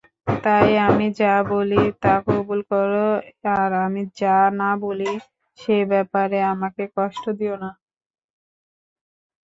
তাই আমি যা বলি, তা কবুল কর আর আমি যা না বলি, সে ব্যাপারে আমাকে কষ্ট দিও না।